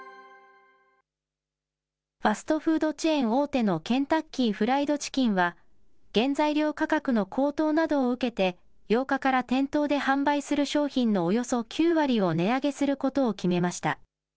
ファストフードチェーン大手のケンタッキーフライドチキンは、原材料価格の高騰などを受けて、８日から店頭で販売する商品のおよそ９割を値上げすることを決めました。